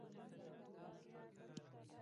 سپین دادا پر یو موټی تکه سپینه ږېره ګوتې ووهلې.